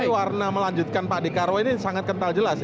tapi warna melanjutkan pak dekarwo ini sangat kental jelas ya